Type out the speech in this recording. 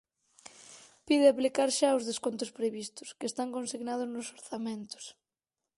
Pide aplicar xa os descontos previstos, que están consignados nos orzamentos.